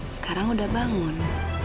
sekarang udah bangun